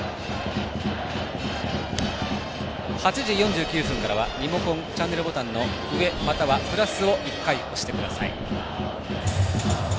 ８時４９分からはリモコンのチャンネルボタンの上、またはプラスを１回押してください。